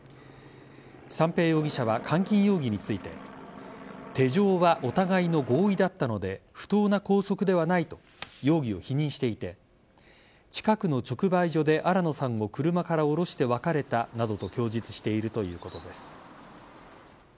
三瓶容疑者は監禁容疑について手錠はお互いの合意だったので不当な拘束ではないと容疑を否認していて近くの直売所で新野さんを車から降ろして別れたなどと供述しているということです。